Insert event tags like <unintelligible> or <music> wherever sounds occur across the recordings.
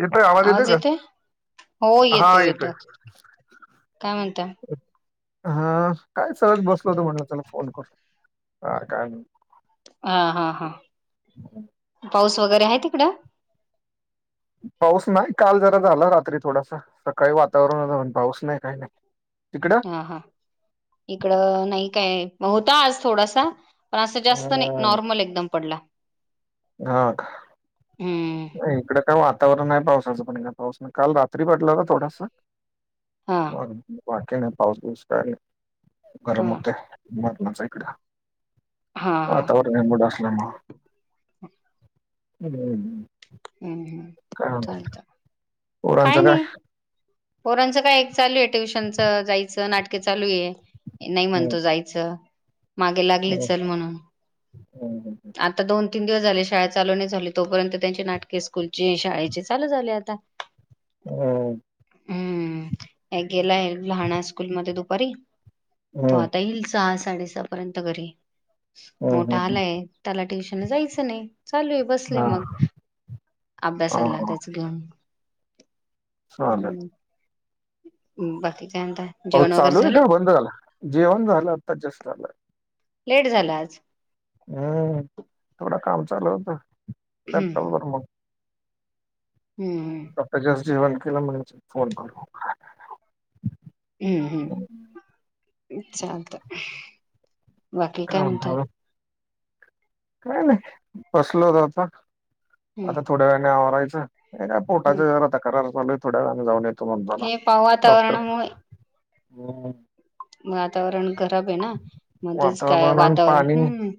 येतोय आवाज का येतोय? हो येतोय येतोय, काय म्हणताय? हम, काय सहज बसलो होतो, म्हणलं चला फोन करूया, हा काय? हा. हा. हा. पाऊस वगैरे आहे तिकडं? पाऊस नाही, काल जरा झाला रात्री थोडासा, सकाळी वातावरण ऊण पाऊस नाही काही नाही. तिकडं हा. हा. इकडं नाही काय, होता आज थोडासा पण असं जास्त नाही ह नॉर्मल एकदम पडला. हा. का. हम्म नाही इकडं काय, वातावरण आहे पावसाचं पण का पाऊस काल रात्री पडला का थोडासा? हा बाकी नाही, पाऊस बिस काय नई गरम हा होतय <unintelligible> इकडे हा हा वातावरण ह हम् हम्. काय झालं? काय नाही, पोरांचं काय चालू आहे ट्युशनच जायचं नाट चालू आहे नाही हम्म म्हणतो जायचं, मागे लागले चल म्हणून हम्म. आता दोन तीन दिवस झाले शाळा चालू नाही झाली, तोपर्यंत त्यांची नाटके स्कूलची शाळेची चालू झाल्यात <unintelligible> हम्म हम्म, एक गेलाय लहाणा स्कूल मध्ये दुपारी तो हम्म आता येईल सहा साडेसहापर्यंत घरी, हम्म हम्म मोठा हम्म आलाय ट्युशन जायचं नाही, चालूये आहे, बसलाय हा मग हा अभ्यासाला हा त्याच घेऊन चालेल हम्म् बाकी काय म्हणता पाऊस जेवण वगैरे चालू आहे का बंद झालं जेवण झालं आत्ता जस्ट झालंय लेट झाला आज हम्म थोडं काम चालू होतं हम्म लॅपटॉप वर मग हम्म हम् आता जस्ट जेवण केलं म्हण फोन करू हम्म हम्म चालत बाकी काय म्हणता म्हणतात मग? काय नाही बसलो होत होता हम्म आता थोड्या वेळाने आवारायचं का हम्म पोटाचा जरा तक्रार चालू थोड्या जण जाऊन येतो म्हणताो ना हे पाव डॉक्टर वातावरणामुळे हम वातावरण खराब आहे ना मध्येच काय वातावरण ह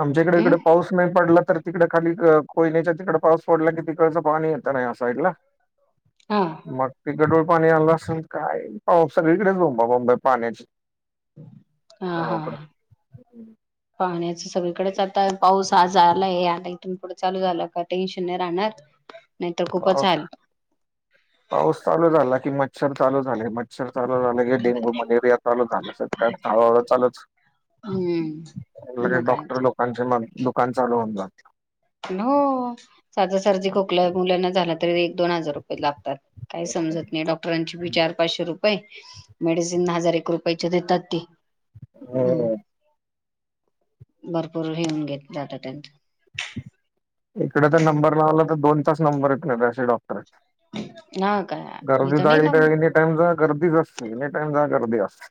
आमच्याकडे इकडे पाऊस नाही पडला तर तिकड खाली कोयणीच्या तिकडे पाऊस पडला की तिकडचं पाणी येत नाही असईडला हा मग तिकडे पाणी आलं असेल काय पाऊस सगळीकडेच बोंबाबोंब पाण्याची हा हा गावाकडं. पाण्याचे सगळीकडेच आता पाऊस आज आलाय आता इथून पुढं चालू झालं का टेन्शन नाही राहणार नाहीतर खूपच पाऊस हाल पाऊस चालू झाला कि मच्छर चालू झा मच्छर चालू झाले की डेंगू मलेरिया चालू झालं सगळा हळूहळू चालूच हम्म मग काय डॉक्टर लोकांचे दुकान चालु होते हो साधे सर्दी खोकला मुलांना झालं तरी एक दोन हजार रुपये लातात का समत नाही डॉक्टरांची ही चार पाचशे मेडिसिन हजार एक रुपयाची देतात ती हम्म भरपूर घिऊन घेत जात त्यांचे इकडे तर नंबर लावला तर दोन तासनंबर येते डॉक्टर आहेत हा काय गर्दी इथं नाही जाईल तर ना एनी टाइम जा गर्दीच असते एन टाइम जा गर्दी असते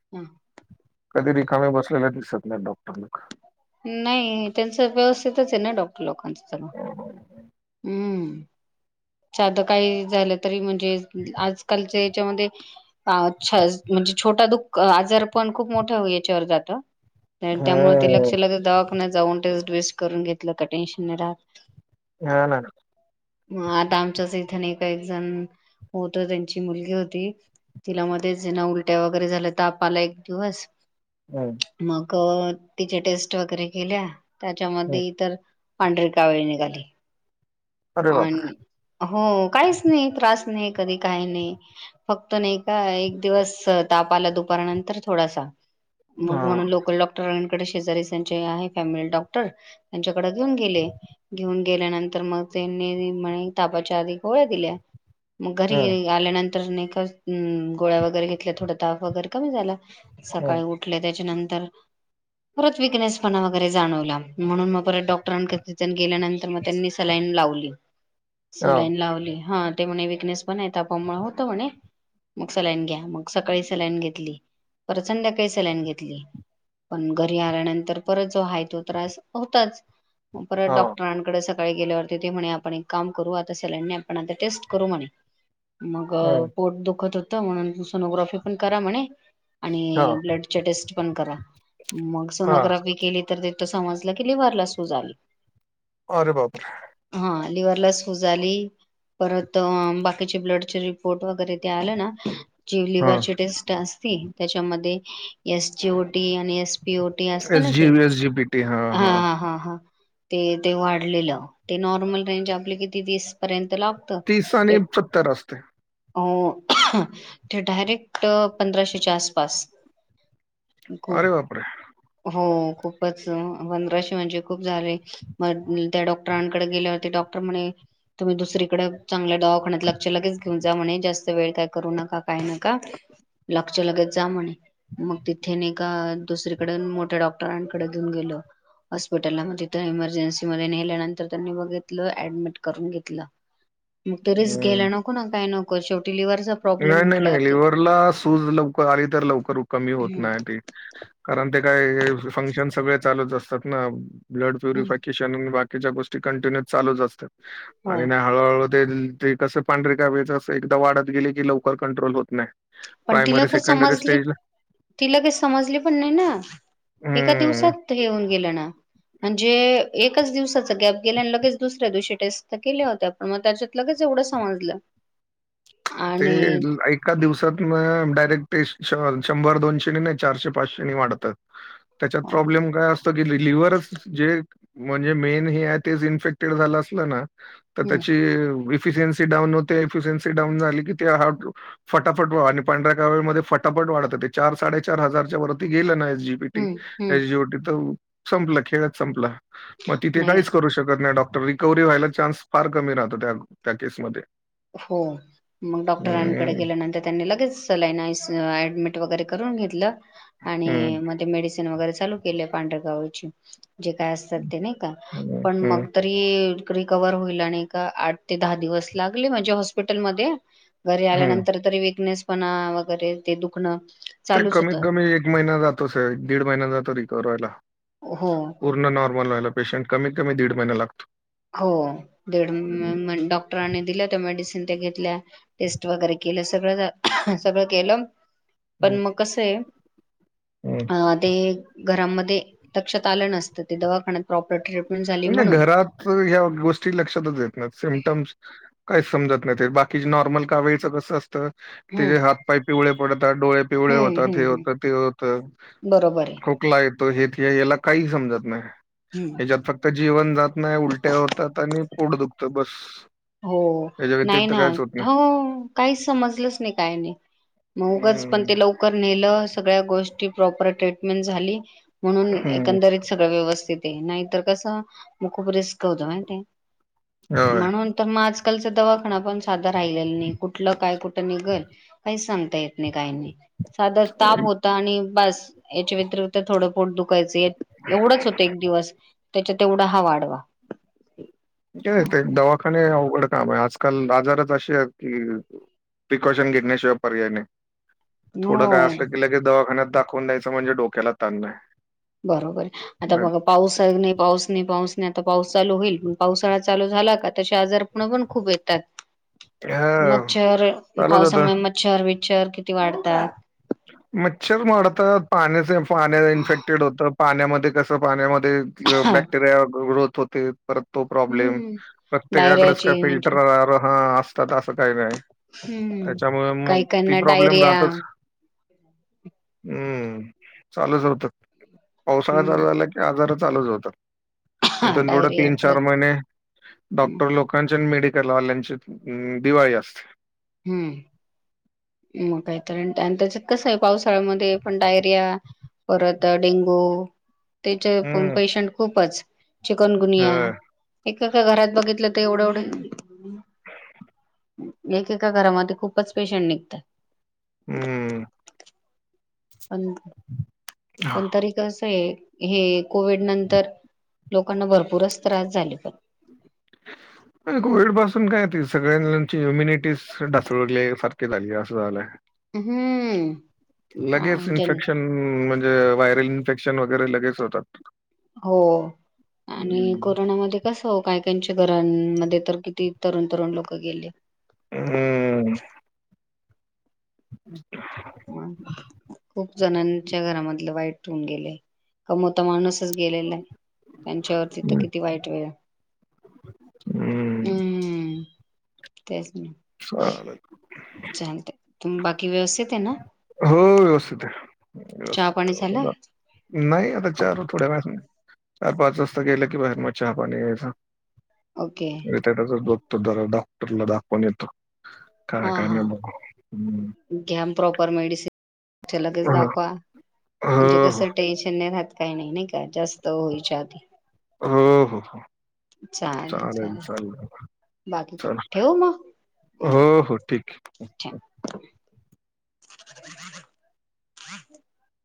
कधी रिकामे बसलेला दिसत नाही डॉक्टर लोक नाही त्यांच व्यवस्थितच आहे ना डॉक्टर लोकांच तर हम्म साध काही झालं तरी म्हणजे आजकालच्या याच्यामध्ये अ छोटा दुःख आजार पण खूप मोठा याच्यावर जातं त्यामुळे ते हम्म लक्ष लागत दवाख नाही जाऊन टेस्ट करून घेतलं का टेन्शन नाही राहत हा ना म आता आमच्याच इथनका एक जण होत त्यांची मुलगी होती तिला मध्येच ज ना उलट्या वगैरे झाल्या तर ताप आला एक दिवस होम तिचे टेस्ट वगैरे केल्या हम्म त्याच्यामध्ये इतर पांढरीकावीळ निघाली अरे बापरे आणि हो काहीच नाही त्रास नाही कधी काही नाही फक्त नाही का एक दिवस तापाला दुपारानंतर थोडासा हा मग म्हणून लोकल डॉक्टर इथे शेजारीचे आहे फॅमिली डॉक्टर त्यांच्याकडे घेऊन गेले घेऊन गेल्यानंतर मग त्यांनी म्ह तापाच्या आधी गोळ्या दिल्या मग हम्म घरी आल्यानंतर गोळ्या वगैरे घेतल्या थोड ताप वगैरे कमी झाला हम्म सकाळी उठल्या त्याच्यानंतर तर परत विकनेसणा वगैरे जाणवला म्हणून मग परत डॉक्टरांक गेल्यानंतर मग त्यांनी सलाई लावली हा सलाईन लावली हा ते म्हणे विकनेस पण य तापामुळ होत म्हणे मग सलाईन घ्या मग सकाळी सलाईन घेतली पर संध्याकाळी सलाईन घेतली पण घरी आल्यानंतर परत जो आहे तो त्रास होताच परत हा डॉक्टरांकडे सकाळी गेल्यावर ते म्हणे आपण एक काम करू आता सलाईन नाई आपण आता टेस्ट करू म्हणे मग हम्म पोट दुखत होतं म्हणून सोनोग्राफी पण करा म्हणे हा आणि ब्लडच्या टेस्ट पण करा मग हा सोनोग्राफी केली तर ते समजलं की लिवरला सूज आली. अरे बापरे हा लिवरलाला सूज आली परत बाकीचे ब्लडचे रिपोर्ट वगैरे ते आल्या ना जी हा लिव्हरची टेस्ट असते त्याच्यामध्ये एस जी ओ टी आणि एस पि ओ टी असत एस ना जी ते एस जी पी टी हा हा हा हा. ते ते वाढलेलं ते नॉर्मल रेंज आपले किती वीस पर्यंत लागत तीस आणि ते. सत्तर असते अ ते डायरेक्ट पंधराशेच्या आसपास अरे खूप बापरे हो. खूपच पधराशे म्हणजे खूप झाले म त्या डॉ डाॅक्टरांकडे गेल्यावरती डॉक्टर म्हणे तुम्ही दुसरीकडे चांगल्या दवाखान्यात लक्ष लगेच घेऊन जा म्हणे जास्त वेळ काय करू नका काय नका लक्ष लगत जा म्हणे मग तिथे नाही का दुसरीकड मोठ्या डॉक्टरांकडे घेऊन गेल हॉस्पिटलला म तिथं इमर्जनसिध्ये नेल्यानंतर त्यागी बघितल अडमिट करून घेतलं म ते रिस्क हम्म. घ्यायला नको ना काय नको शेवटी लिव्हरचा प्रॉब्लेम नाही नाही नाही म्हटल्यावरती लिव्हरला सूज लवकर आली तर लवकर कमी होत नाही त कारण ते का फंक्शन सगळे चालुच असतात ना ब्लड प्युरिफिकेशन बा गोष्टी कंटिन्य चालूच असात हो आणि हळूहळू ते ते कसं पांढरे कावीळच अस एकदा वाढत गेले की लवकर कंट्रोल होत नाही. पण तिला प्रायमरी लवकर सेकंडरी समजलीत स्टेजला ती लगेच समजली पण नाही ना एका हम्म दिवसात हे हुन गेलं ना म्हणजे एकाच दिवसाच गॅप गेल्या आणि लगेच दुसऱ्या दिवशी टेस्ट तर केल्या होत्या पण मग त्याच्यात लगेच एवढं समजलं. <unintelligible> ते आणि एका दिवसात म डायरेक्ट शंभर दोनशे नाही चारशे पाचशे वाढतात त्याच्यात प्रॉब्लेम काय असतो की लिव्ह जे म्हणजे मेन हे ते इनफेक्टेड झाल असल ना तर हम्म त्याची एफियनस डाऊन होते एफियनस डाऊन झाली कि हा फटाफट आणि पांढऱ्या कावीळमध्ये फटाफट वाढत ते चार साडेचार हजारच्या वरती गेलं ना जी पी टी हम्म हम्म एस जी ओ टी तर संपलं खेळात संपला. मग तिथे नाही काहीच करू शकत नाही डॉ रिकव्ही व्हायला चान्स फार कमी राहतो त्या त्या केसमध्ये हो म डॉक्टरांकडे हं, गेल्यानंतर त्यांनी लगेचला नाडमिट वरून घेत हं. आणि म मेडिसन वगरे चाल के पांढरगाव जे काय असतात ते नाही का हं, पण मग हं, तरी रिकवर होईल आणि का आठ ते दहा दिवस लागले म्हणजे हॉस्पिटलमध्येध्ये घरी हं. आल्यानंतर तरी विकनेस पण वगैरे ते दुखणं ते चालूच होत कमीत कमी एक महिना जातोच एक दीड महिना जातो रिकववर व्हायला हो पूर्ण नॉर्मल व्हायला पेशंट कमीत कमी दीड महिना लागतो होड डॉक्टर दि मड घेतल्या टेस्ट वगैरे केलं सगळं सगळं केलं पण हं, मग कसं आहे हं. अ ते घरामध्ये लक्षात आलं नसतं ते दवाखान्यात प्रॉपर्ट झा नाही म्हणून घरात गोष्टी लक्षातचेत सिमताम्स काही समत नाही ते बाकी नॉर्मल का वेळच कस असतं हम्म तेे हात पाय पिवले ता डोळे पिवळे हम्म होतात हम्म ते हम्म होत ते होत बरोबर आहे खोकला ये त हे याला काही समजत नाही. हम्म. जीवन जात नाही उलट्या होतात आणि पोटं दुखतं बस. हो याच्या नाही व्यतिरिक्त ना काहीच होत नाही. हो काहीच समजलंच नाही काय नाही मगच पण हं, ते लवकर नेलं स्या गोष्टी प्रॉपर ट्रीटमेंट झाली म्हणून हं. एकरीत सगळ व्यवस्थित ते नाहीतर कसं मग खूप रिस्क होत. <unintelligible> होय. मग आजकालचा दवाखाना पण साधा राहिलेला नाही कुठलं काय कुठं निघल काहीच सांगता येत नाही काही नाही साधा ताप होता आणि बस याच्या व्यतिरिक्त थोडंफ पोट दुःख यच एवढंच होतं एक दिवस त्याच्यात तेवढा हा वाढवा क आहे ते एक दवाखाने ड काम आजकाल आजारच अे आहेत कि प्रिकॉशन घेतण्याशिवाय पर्याय नाही थोडं काय हो असलं गलं की दवाखान्यात दाखवून द्यायचं म्हणजे डोक्याला ताण नही बरोबर आता बघ पाऊस आहे नाही पाऊस नाही पाऊस पाऊस चालू होईल पण पावसाळा चालू झाला का त्या आजार पूर् पण खूप येतात हां. मच्छर चालू जातं. पावसामुळे मच्छर विच्छर किती वाढतात मच्छर मारतात पाण्या पाण्या इन्फेक्टेड होत पाण्यामध्ये कस पाण्यामध्ये बॅक्टेरिया ग्रोथ होते परत् तो प्रॉब्लेम हम्म प्रत्येकाकडेच का डायरियाची म्हणजे फिल्टर हा असतात असं काही नाही हम्म त्याच्यामुळे मग काही ती काहींना प्रॉब्लेम डायरिया राहतच हम्म चालूच होत पावसाळ्याचा हम्म झाला कि आजार हा डायरिया तीन चार परत महिने हम्म डॉक्टर लोकांचे मेडि लावाल्यांची दिवाळी असते हम्म म काहीतरी त्याच्यात कसं आहे पावसाळ्यामध्ये पण डायरिया पररत डेंगु त्याचे हं, पेशंट खूपच चिकनगुनिया हं. एका घरात बघितलं एवढं एवढ एकेका घरामध्ये खूपच पेशंट निघतात हम्म पण पण तरी कस आहे हे कोविड नंतर लोकांना भरपूरच त्रास झाले पण सगळ्या मुलांची ह्युमिनीटी ढासळले सारखे झाले अस झालंय. हम्म. लगेच अं, जन इन्फेक्शन म्हणजे व्हायरल इन्फेक्शन वगैरे लगेच होतात. हो आणि हं, कोरोनामध्ये कस हो काय त्यांच्या घरांनमध्ये तर किती तरुण तरुण लोक गेले. हम्म अच् ह खूप जणांच्या घरामधलं वाईट होऊन गेले. कमवता माणूसच गेलेला आहे. त्यांच्यावरती तर हं, किती वाईट वेळ हं. हम् तेच नाही चालेल. चालत तुम बाकी व्यवस्थित आहे ना? हो व्यवस्थित आहे. चहा व्यवस्थित पाणी आहे ओ झाला दादा नाही आता चहा थोड्या वेळांनी चार पाच वाजता गेलं की, बाहेर मग चहा पाणी घ्यायचं ओके <unintelligible> तो जरा डॉक्टरला दाखवून येतो. हा काय, काय हा नाही बघू. हं. घ्या म प्रॉपर मेडिसीन लगेच हो, दाखवा म्हणजे हो, कसं टेंशन <unintelligible> नाही रात काही नाही नाही का जास्त होईच्या आधी हो हो चालेल चल आता बाकी चल. ठेवू हो हो ठीक. ठीक <inaudible>